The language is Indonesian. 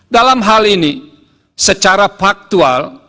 dalam hal ini secara faktual